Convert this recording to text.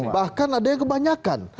bahkan ada yang kebanyakan